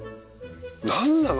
何なの？